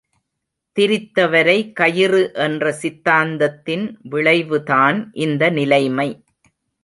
திரித்தவரை கயிறு என்ற சித்தாந்தத்தின் விளைவுதான் இந்த நிலைமை.